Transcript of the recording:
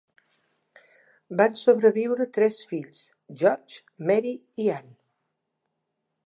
Van sobreviure tres fills: George, Mary i Anne.